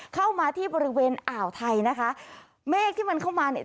เข้ามาที่บริเวณอ่าวไทยนะคะเมฆที่มันเข้ามาเนี่ย